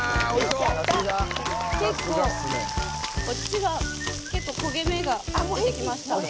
結構、こっちが焦げ目してきました。